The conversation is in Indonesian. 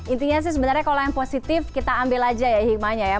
intinya sih sebenarnya kalau yang positif kita ambil aja ya hikmahnya ya